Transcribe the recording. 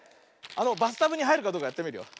あのバスタブにはいるかどうかやってみるよ。